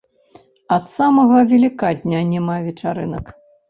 Ад самага вялікадня няма вечарынак.